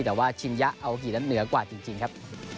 แต่ว่าชินยะอัลกินั้นเหนือกว่าจริงครับ